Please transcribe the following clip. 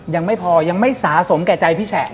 ยังไม่พอยังไม่สะสมแก่ใจพี่แฉะ